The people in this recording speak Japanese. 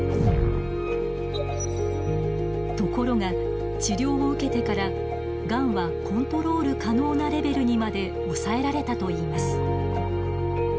ところが治療を受けてからがんはコントロール可能なレベルにまで抑えられたといいます。